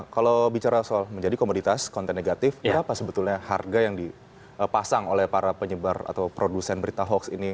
kalau bicara soal menjadi komoditas konten negatif berapa sebetulnya harga yang dipasang oleh para penyebar atau produsen berita hoax ini